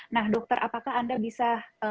nah dokter apakah anda bisa